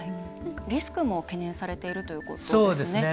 リスクも懸念されているということですね。